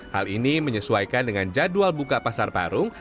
hal ini menyesuaikan dengan jadwal buka pasar parung